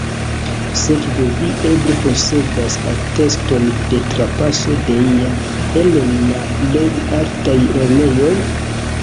Sekve vi eble posedas ateston de trapaso de ia el la plej altaj lernejoj?